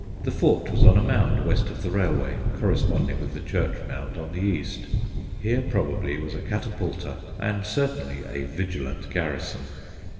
The fort was on a mound west of the railway, corresponding with the church mound on the east. Here probably was a catapulta and certainly a vigilant garrison.